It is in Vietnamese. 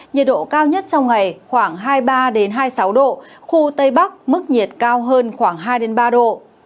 nhiệt độ cao nhất trong ngày khoảng hai mươi ba hai mươi sáu độ khu tây bắc mức nhiệt cao hơn khoảng hai ba độ